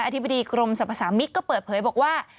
อธิบดีกรมสรรพสามิตรก็เปิดเผยบอกว่า